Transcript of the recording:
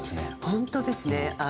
本当ですね。